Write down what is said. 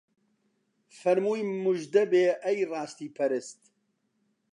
فەرمووی موژدەبێ ئەی ڕاستی پەرست